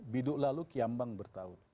biduk lalu kiambang bertahun